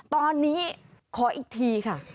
ตอนนี้ขออีกทีค่ะ